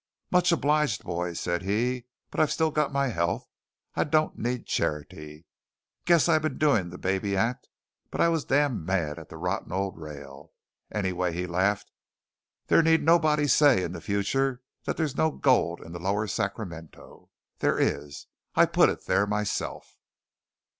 "Much obliged, boys," said he, "but I've still got my health. I don't need charity. Guess I've been doing the baby act; but I was damn mad at that rotten old rail. Anyway," he laughed, "there need nobody say in the future that there's no gold in the lower Sacramento. There is; I put it there myself."